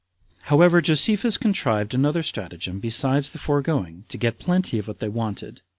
14. However, Josephus contrived another stratagem besides the foregoing, to get plenty of what they wanted.